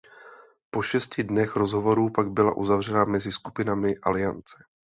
Po šesti dnech rozhovorů pak byla uzavřena mezi skupinami aliance.